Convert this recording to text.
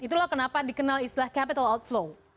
itulah kenapa dikenal istilah capital outflow